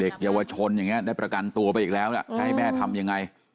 เยาวชนอย่างนี้ได้ประกันตัวไปอีกแล้วนะจะให้แม่ทำยังไง